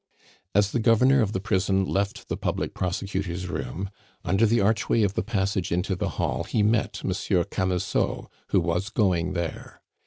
As the governor of the prison left the public prosecutor's room, under the archway of the passage into the hall he met Monsieur Camusot, who was going there.